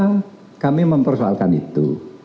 karena kami mempersoalkan itu